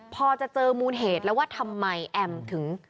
พอจะเจอมูลเหตุแล้วว่าทำไมแอมถึง